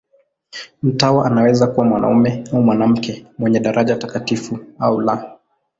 Mtawa anaweza kuwa mwanamume au mwanamke, mwenye daraja takatifu au la.